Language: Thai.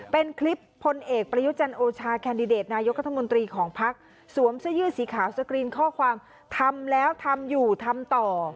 เป็นคลิปผลเอกประยุจรรย์โอชาแคนดิเดตนายศของภัครัฐมนธรรมดิของภัครัฐมนธรรมสวมซ่ายื่อสีขาวสกรีนข้อความทำแล้วทำอยู่ทำต่อ